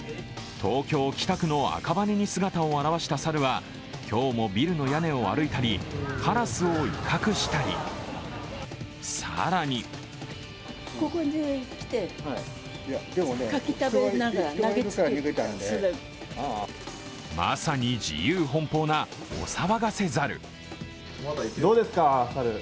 東京・北区の赤羽に姿を現した猿は今日もビルの屋根を歩いたり、カラスを威嚇したり、更にまさに自由奔放なお騒がせ猿。